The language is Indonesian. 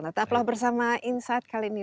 tetaplah bersama insight kali ini